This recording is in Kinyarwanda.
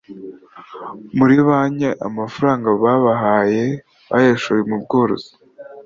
muri banki. Amafaranga babahaye bayashora mu bworozi